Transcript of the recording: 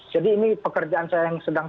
ini pekerjaan saya yang sedang